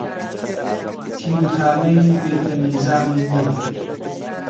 تیر و تانەی بێ تەمیزانی نەدی،